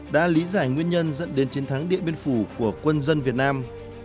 đã lý giải nguyên nhân dẫn đến chiến thắng điện biên phủ của quân dân việt nam